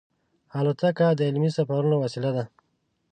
الوتکه د علمي سفرونو وسیله ده.